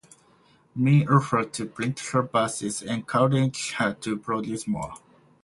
Mee offered to print her verses, encouraging her to produce more.